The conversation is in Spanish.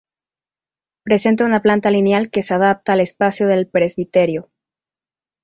Presenta una planta lineal que se adapta al espacio del presbiterio.